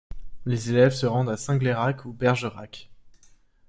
Les élèves se rendent à Singleyrac ou Bergerac.